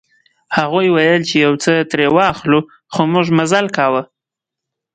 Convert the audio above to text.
هغوی ویل چې یو څه ترې واخلو خو موږ مزل کاوه.